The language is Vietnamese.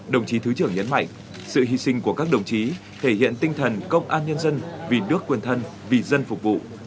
đồng chí thứ trưởng nhấn mạnh sự hy sinh của các đồng chí thể hiện tinh thần công an nhân dân vì nước quyền thân vì dân phục vụ